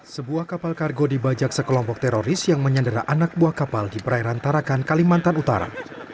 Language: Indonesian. sebuah kapal kargo dibajak sekelompok teroris yang menyandera anak buah kapal di perairan tarakan kalimantan utara